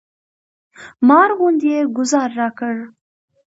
مار غوندې یې ګوزار راکړ.